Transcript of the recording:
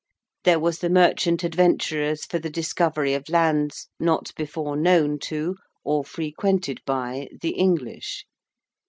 There was the 'Merchant Adventurers for the discovery of Lands, not before known to, or frequented by, the English.'